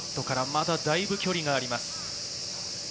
まだだいぶ距離があります。